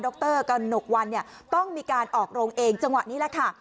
รกระหนกวันเนี่ยต้องมีการออกโรงเองจังหวะนี้แหละค่ะ